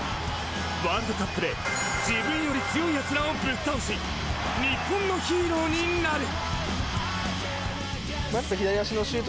ワールドカップで自分より強いやつらをぶっ倒し日本のヒーローになる！